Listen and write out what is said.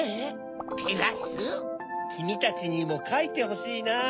きみたちにもかいてほしいな。